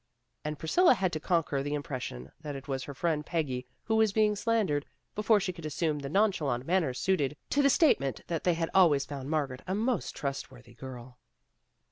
And Priscilla had to conquer the im pression that it was her friend Peggy who was being slandered, before she could assume the nonchalant manner suited to the statement that they had always found Margaret a most trust worthy girl.